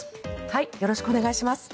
よろしくお願いします。